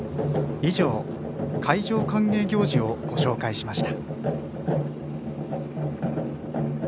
以上、海上歓迎行事をご紹介しました。